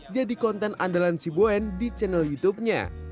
jadi konten andalan si boen di channel youtubenya